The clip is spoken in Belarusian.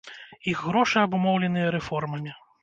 Іх грошы абумоўленыя рэформамі.